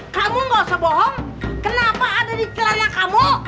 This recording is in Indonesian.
kamu gak usah bohong kenapa ada di celaria kamu